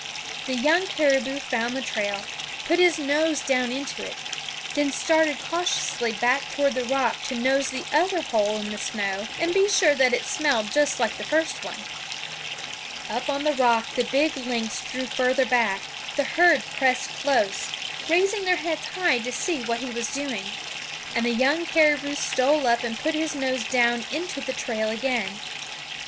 The young caribou found the trail, put his nose down into it, then started cautiously back toward the rock to nose the other hole in the snow and be sure that it smelled just like the first one. Up on the rock the big lynx drew further back; the herd pressed close, raising their heads high to see what he was doing; and the young caribou stole up and put his nose down into the trail again.